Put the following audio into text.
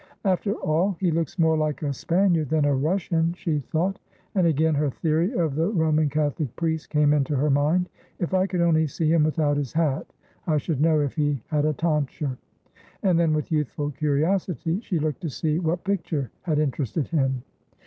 "After all he looks more like a Spaniard than a Russian," she thought, and again her theory of the Roman Catholic priest came into her mind. "If I could only see him without his hat, I should know if he had a tonsure," and then with youthful curiosity she looked to see what picture had interested him.